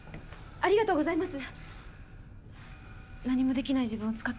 ありがとうございます！